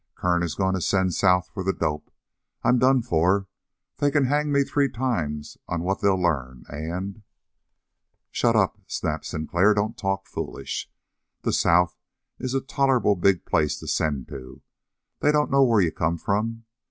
"Kern is going to send south for the dope. I'm done for. They can hang me three times on what they'll learn, and " "Shut up," snapped Sinclair. "Don't talk foolish. The south is a tolerable big place to send to. They don't know where you come from.